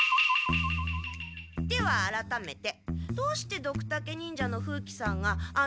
ではあらためてどうしてドクタケ忍者の風鬼さんがあんなところへ？